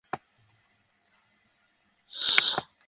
শুধু মাথা নয়, তার সারা শরীরে খুন্তি দিয়ে ছ্যাঁকা দেওয়া হয়েছিল।